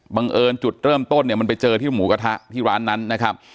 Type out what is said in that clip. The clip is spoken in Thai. บังเอิญจุดเริ่มต้นเนี่ยมันไปเจอที่หมูกระทะที่ร้านนั้นนะครับ